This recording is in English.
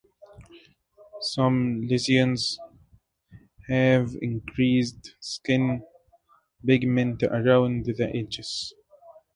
Some lesions have increased skin pigment around the edges.